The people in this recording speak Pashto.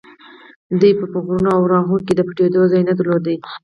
دوی به په غرونو او راغو کې د پټېدو ځای نه درلود.